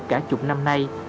cả chục năm nay